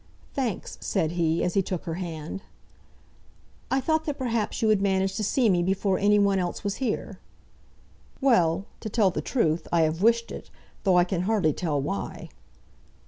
"Thanks," said he, as he took her hand. "I thought that perhaps you would manage to see me before any one else was here." "Well; to tell the truth, I have wished it; though I can hardly tell why."